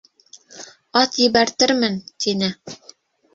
Ат ебәртермен, — тине.